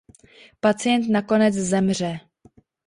Pacient nakonec zemře.